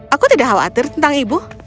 aku tidak khawatir tentang ibu